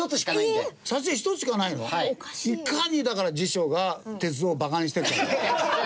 いかにだから辞書が鉄道をバカにしてるか。